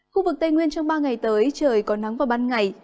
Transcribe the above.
khu vực tây nguyên trong ba ngày tới trời có nắng vào ban ngày